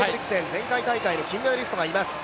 前回大会の金メダリストがいます。